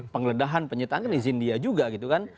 pengledahan penyertaan kan izin dia juga gitu kan